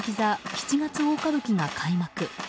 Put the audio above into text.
「七月大歌舞伎」が開幕。